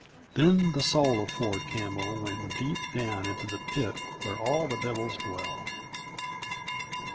Then the soul of Ford Campbell went deep down into the pit where all the devils dwell.